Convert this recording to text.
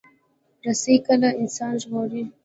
رسۍ کله انسان ژغوري.